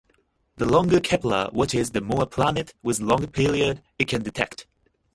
The longer "Kepler" watches, the more planets with long periods it can detect.